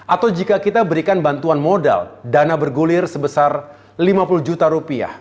atau jika kita berikan bantuan modal dana bergulir sebesar rp lima puluh